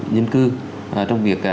nhân cư trong việc